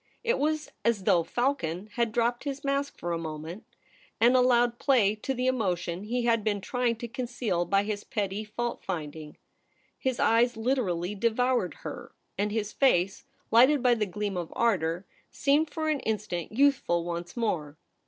It was as though Falcon had dropped his mask for a moment, and allowed play to the emotion he had been trying to conceal by his petty fault finding. His eyes literally devoured her, and his face, lighted by the gleam of ardour, seemed for an instant youthful once more.